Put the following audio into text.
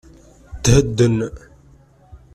Thedden!